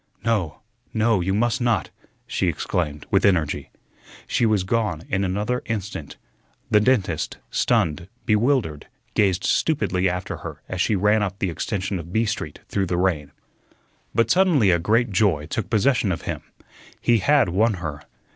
"No, no, you must not!" she exclaimed, with energy. She was gone in another instant. The dentist, stunned, bewildered, gazed stupidly after her as she ran up the extension of B Street through the rain. But suddenly a great joy took possession of him. He had won her.